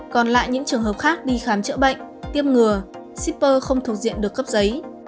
còn lại những trường hợp khác đi khám chữa bệnh tiêm ngừa shipper không thuộc diện được cấp giấy